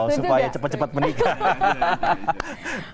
supaya cepat cepat menikah